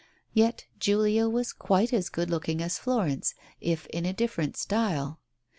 Yet Julia was quite as good looking as Florence, if in a different style.